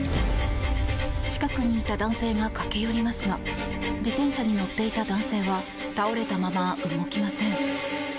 近くにいた男性が駆け寄りますが自転車に乗っていた男性は倒れたまま動きません。